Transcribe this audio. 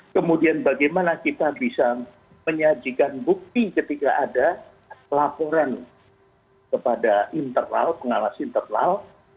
kemudian bagaimana kita bisa menyajikan bukti ketika ada laporan kepada internal pengawas internal